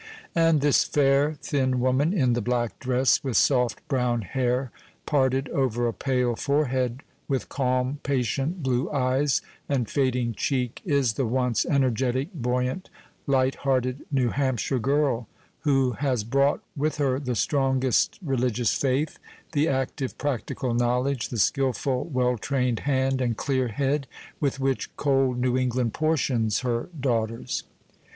And this fair, thin woman, in the black dress, with soft brown hair parted over a pale forehead, with calm, patient blue eyes, and fading cheek, is the once energetic, buoyant, light hearted New Hampshire girl, who has brought with her the strongest religious faith, the active practical knowledge, the skilful, well trained hand and clear head, with which cold New England portions her daughters.